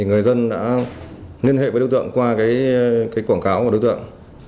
người dân đã liên hệ với đối tượng qua quảng cáo của đối tượng